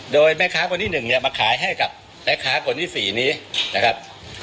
โดยแม่ค้าคนที่๑เนี่ยมาขายให้กับแม่ค้าคนที่๔นี้นะครับ